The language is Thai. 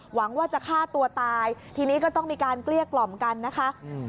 หวังว่าจะฆ่าตัวตายทีนี้ก็ต้องมีการเกลี้ยกล่อมกันนะคะอืม